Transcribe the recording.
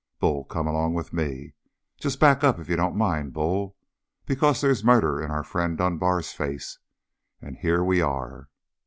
Bull, come along with me. Just back up, if you don't mind, Bull. Because they's murder in our friend Dunbar's face. And here we are!"